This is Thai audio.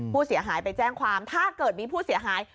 ผู้เสียหายไปแจ้งความถ้าเกิดมีผู้เสียหาย